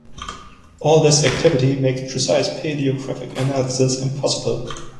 All this activity makes precise paleographic analysis impossible.